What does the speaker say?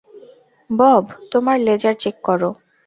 Bob, তোমার ledger check করো।